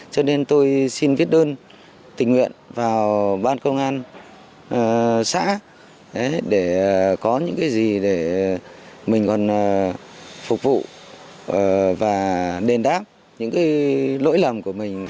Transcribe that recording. cho nên tôi xin viết đơn tình nguyện vào ban công an xã để có những cái gì để mình phục vụ và đền đáp những lỗi lầm của mình